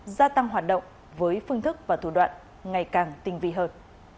gia tăng hoạt động với phương thức và thủ đoạn ngày càng tinh vi hơn